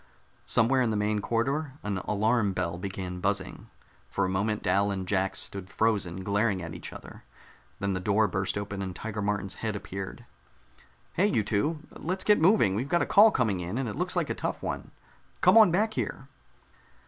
Somewhere in the main corridor an alarm bell began buzzing. For a moment Dal and Jack stood frozen, glaring at each other. Then the door burst open and Tiger Martin's head appeared. "Hey, you two, let's get moving! We've got a call coming in, and it looks like a tough one. Come on back here!"